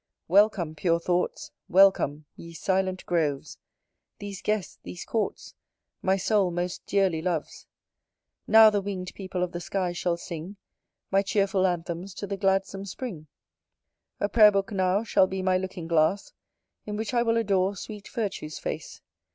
Welcome, pure thoughts; welcome, ye silent groves; These guests, these courts, my soul most dearly loves. Now the wing'd people of the sky shall sing My cheerful anthems to the gladsome spring: A pray'r book, now, shall be my looking glass, In which I will adore sweet virtue's face.